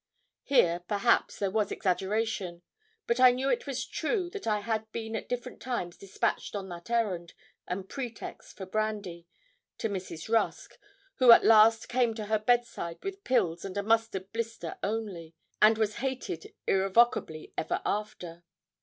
Here, perhaps, there was exaggeration; but I knew it was true that I had been at different times despatched on that errand and pretext for brandy to Mrs. Rusk, who at last came to her bedside with pills and a mustard blister only, and was hated irrevocably ever after.